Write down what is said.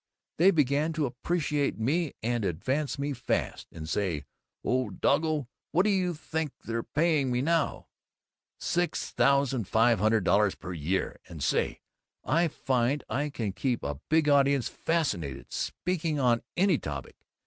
They began to appreciate me and advance me fast, and say, old doggo, what do you think they're paying me now? $6,500 per year! And say, I find I can keep a big audience fascinated, speaking on any topic.